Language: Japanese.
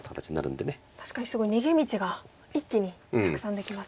確かにすごい逃げ道が一気にたくさんできますね。